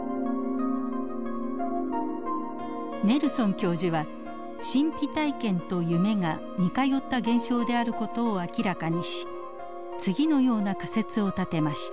ネルソン教授は神秘体験と夢が似通った現象である事を明らかにし次のような仮説を立てました。